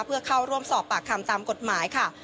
เพื่อเข้าร่วมสอบปากคำตามกฎหมายค่ะ